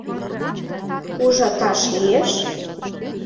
— Ужаташ лиеш?